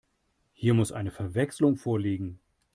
Hier muss eine Verwechslung vorliegen.